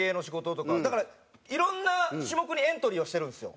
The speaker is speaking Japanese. だからいろんな種目にエントリーはしてるんですよ。